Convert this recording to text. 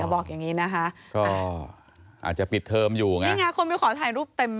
บอกอย่างงี้นะฮะอาจจะปิดเทิมอยู่ไง